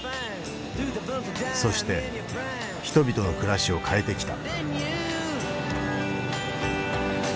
そして人々の暮らしを変えてきた。